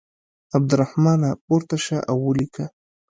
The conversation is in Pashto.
عبدالرحمانه پورته شه او ولیکه.